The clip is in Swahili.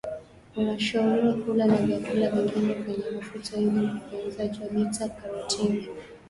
unashauriwa kula na vyakula vingine vyenye mafuta ili ufyonzwaji wa bita karotini